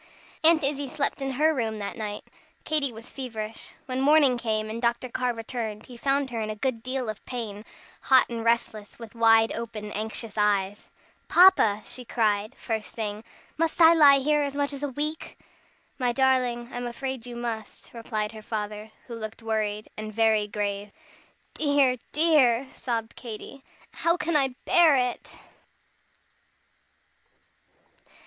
Aunt Izzie slept in her room that night. Katy was feverish. When morning came, and Dr. Carr returned, he found her in a good deal of pain, hot and restless, with wide open, anxious eyes. "Papa!" she cried the first thing, "must I lie here as much as a week?" "My darling, I'm afraid you must," replied her father, who looked worried, and very grave. "Dear, dear!" sobbed Katy, "how can I bear it?"